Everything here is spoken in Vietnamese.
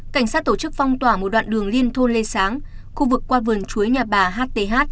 cảnh sát tổ chức phong tỏa một đoạn đường liên thôn lê sáng khu vực qua vườn chuối nhà bà hth